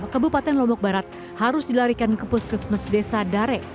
kebupaten lombok barat harus dilarikan ke puskesmes desa darek